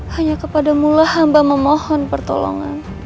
hanya kepadamulah hamba memohon pertolongan